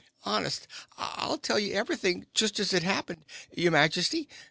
"Honest, I'll tell you everything just as it happened, your majesty.